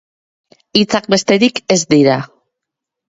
Hitzak besterik ez dira.